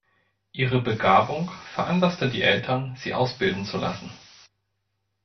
Ihre Begabung veranlasste die Eltern, sie ausbilden zu lassen.